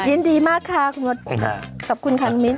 ยินดีมากค่ะคุณมดขอบคุณค่ะน้องมิ้น